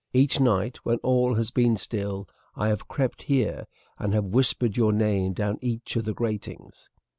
Each night, when all has been still, I have crept here, and have whispered your name down each of the gratings.